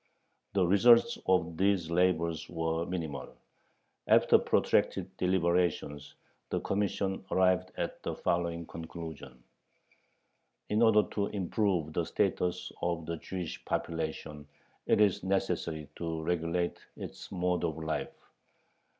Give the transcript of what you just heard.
The results of these labors were minimal. After protracted deliberations the Commission arrived at the following conclusion: In order to improve the status of the Jewish population, it is necessary to regulate its mode of life.